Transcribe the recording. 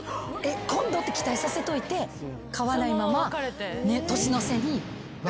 今度って期待させといて買わないまま年の瀬に別れを切り出した？